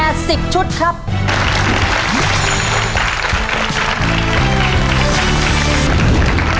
ตอบถูกสามข้อรับชุดเครื่องนอน